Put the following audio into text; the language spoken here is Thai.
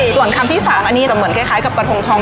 ส่วนคำที่๓อันนี้จะเหมือนคล้ายกับกระทงทอง